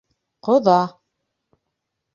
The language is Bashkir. Ҡоҙа.